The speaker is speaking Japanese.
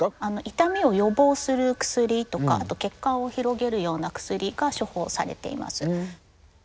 痛みを予防する薬とかあと血管を広げるような薬が処方されています。